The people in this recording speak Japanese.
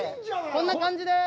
こんな感じです！